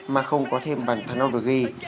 mà không có thêm bàn thắng nông được ghi